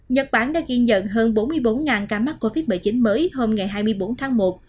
nhật bản đã ghi nhận hơn bốn mươi bốn ca mắc covid một mươi chín mới hôm ngày hai mươi bốn tháng một